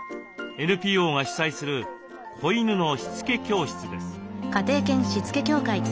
ＮＰＯが主催する子犬のしつけ教室です。